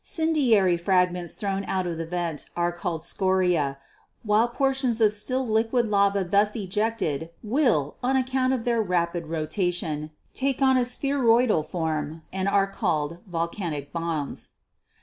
Cindery frag ments thrown out of the vent are called 'scoriae,' while por tions of still liquid lava thus ejected will, on account of their rapid rotation, take on a spheroidal form and are called 'volcanic bombs.'